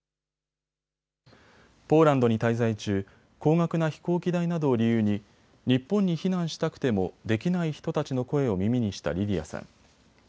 ポーランドに滞在中、高額な飛行機代などを理由に日本に避難したくてもできない人たちの声を耳にしたリリヤさん。